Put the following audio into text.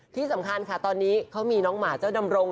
ที่สำคัญค่ะตอนนี้เขามีน้องหมาเจ้าดำรง